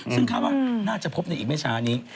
ซึ่งบอกว่าน่าจะพบเรื่องอีกไม่ช้านี้